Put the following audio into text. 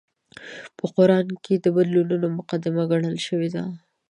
په قران کې د بدلون مقدمه ګڼل شوې ده